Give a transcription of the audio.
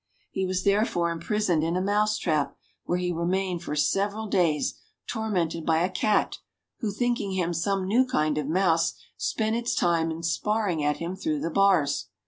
He was therefore imprisoned in a mouse trap, 210 ENGLISH FAIRY TALES where he remained for several days tormented by a cat who, thinking him some new kind of mouse, spent its time in spar ring at him through the bars.